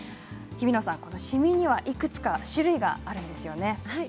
日比野さん、シミにはいくつか種類があるんですよね？